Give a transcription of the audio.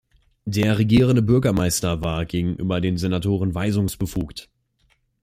Der Regierende Bürgermeister war gegenüber den Senatoren weisungsbefugt.